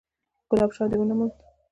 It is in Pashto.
_ګلاب شاه دې ونه موند؟